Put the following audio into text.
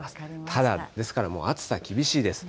ただですからもう、暑さ厳しいです。